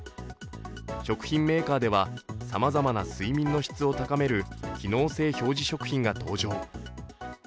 食品メーカーではさまざまな睡眠の質を高める機能性表示食品が登場。